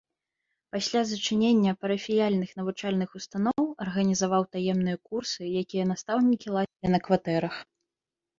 Пасля зачынення парафіяльных навучальных устаноў арганізаваў таемныя курсы, якія настаўнікі ладзілі на кватэрах.